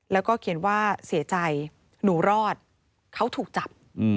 แล้วก็เขียนว่าเสียใจหนูรอดเขาถูกจับ